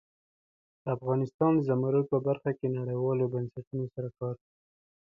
افغانستان د زمرد په برخه کې نړیوالو بنسټونو سره کار کوي.